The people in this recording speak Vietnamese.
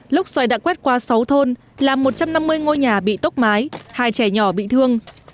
lốc xoay đã quét qua sáu thôn làm một trăm năm mươi ngôi nhà bị tốc mái hai trẻ nhỏ bị thương